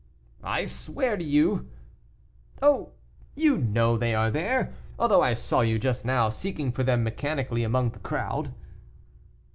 "I swear to you " "Oh! you know they are there, although I saw you just now seeking for them mechanically among the crowd."